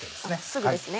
すぐですね。